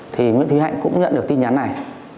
thì nguyễn thúy hạnh cũng nhận được tin nhắn này